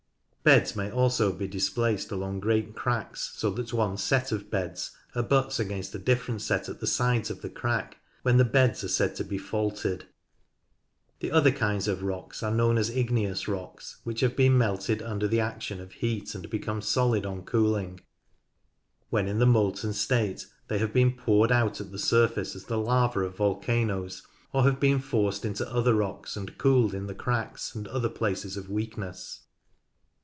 Beds may also he displaced along great cracks, so that one set of beds abuts against a different set at the sides of the crack, when the beds are said to be faulted. The other kinds of rocks are known as igneous rocks, which have been melted under the action of heat and become solid on cooling. When in the molten state they have been poured out at the surface as the lava of volcanoes, or have been forced into other rocks and cooled in the cracks and other places of weakness.